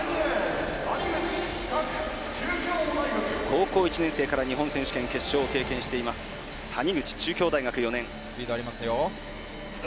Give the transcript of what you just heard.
高校１年生から日本選手権決勝を経験しています、谷口。